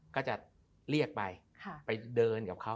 ก็จะเรียกไปไปเดินกับเขา